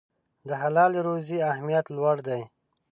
د حلالې روزي اهمیت لوړ دی.